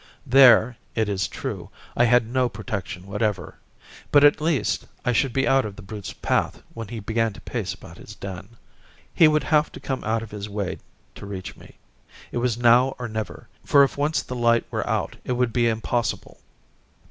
There, it is true, I had no protection whatever; but at least, I should be out of the brute's path when he began to pace about his den. He would have to come out of his way to reach me. It was now or never, for if once the light were out it would be impossible.